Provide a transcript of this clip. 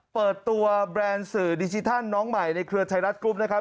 เปิดตัวแบรนด์สื่อดิจิทัลน้องใหม่ในเครือไทยรัฐกรุ๊ปนะครับ